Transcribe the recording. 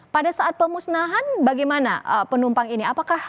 pada saat pemusnahan bagaimana penumpang ini